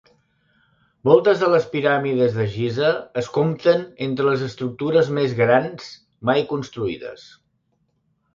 Moltes de les piràmides de Giza es compten entre les estructures més grans mai construïdes.